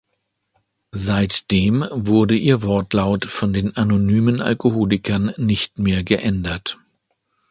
Seitdem wurde ihr Wortlaut von den Anonymen Alkoholikern nicht mehr geändert.